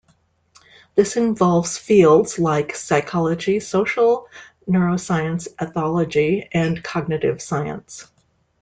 This involves fields like psychology, social neuroscience ethology, and cognitive science.